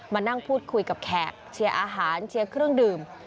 มานั่งพูดคุยกับแขกเชียร์อาหารเชียร์เครื่องดื่ม